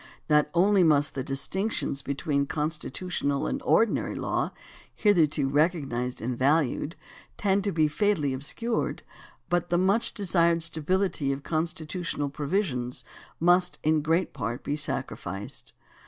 Not only must the distinctions between constitutional and ordinary law hitherto recognized and valued tend to be fatally obscured, but the much to be desired stability of constitutional provisions must in great part be sacrificed.